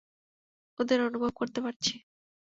ওদের অনুভব করতে পারছি!